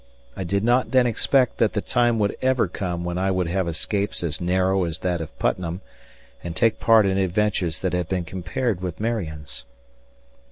I did not then expect that the time would ever come when I would have escapes as narrow as that of Putnam and take part in adventures that have been compared with Marion's.